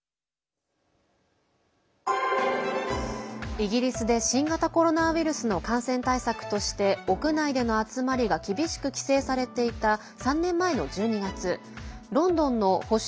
イギリスで新型コロナウイルスの感染対策として屋内での集まりが厳しく規制されていた３年前の１２月ロンドンの保守